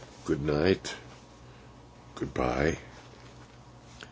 Good night. Good bye!